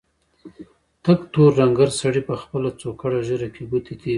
تک تور ډنګر سړي په خپله څوکړه ږيره کې ګوتې تېرې کړې.